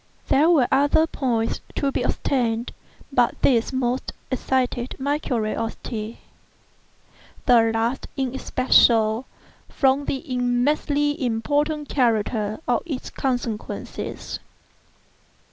There were other points to be ascertained, but these most excited my curiosity—the last in especial, from the immensely important character of its consequences.